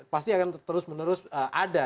pasti akan terus menerus ada